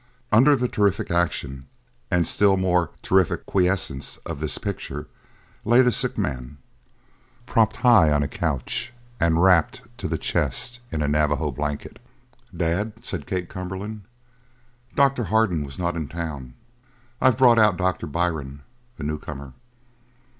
Under the terrific action and still more terrific quiescence of this picture lay the sick man, propped high on a couch and wrapped to the chest in a Navajo blanket. "Dad," said Kate Cumberland, "Doctor Hardin was not in town. I've brought out Doctor Byrne, a newcomer."